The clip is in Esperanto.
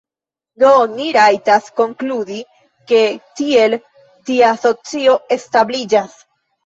Do ni rajtas konkludi ke tiel tia socio establiĝas.